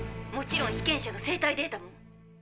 もちろんひ験者の生態データも。